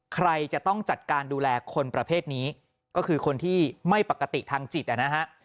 ใครจะต้องจัดการดูแลคนประเภทนี้ก็คือคนที่ไม่ปกติทางจิตนะฮะ